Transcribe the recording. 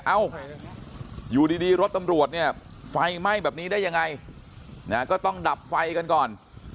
เอ้าอยู่ดีรถตำรวจเนี่ยไฟไหม้แบบนี้ได้ยังไงก็ต้องดับไฟกันก่อน